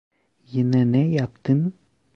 Yine ne yaptın?